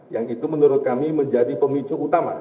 yang itu menurut kami menjadi pemicu utama